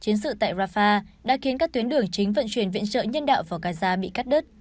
chiến sự tại rafah đã khiến các tuyến đường chính vận chuyển viện trợ nhân đạo vào gaza bị cắt đứt